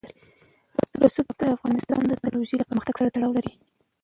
رسوب د افغانستان د تکنالوژۍ له پرمختګ سره تړاو لري.